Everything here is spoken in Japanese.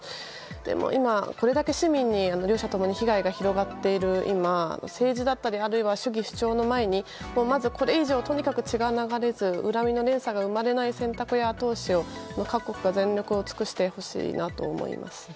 でも、今これだけ市民に両者ともに被害が広がっている今政治だったりあるいは主義主張の前にこれ以上、血が流れず恨みの連鎖が生まれない選択や後押しを各国が全力を尽くしてほしいなと思います。